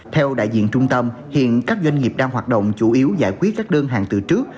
theo đại diện trung tâm hiện các doanh nghiệp đang hoạt động chủ yếu giải quyết các đơn hàng từ trước